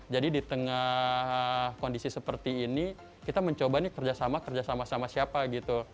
di tengah kondisi seperti ini kita mencoba nih kerjasama kerjasama sama siapa gitu